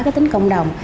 cái tính cộng đồng